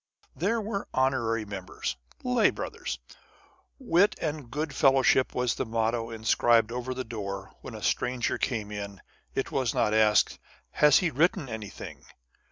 There were honorary members, lay brothers. Wit and good fellowship was the motto inscribed over the door. When a stranger came in, it was not asked, "Has he written anything?"